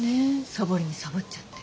サボりにサボっちゃって。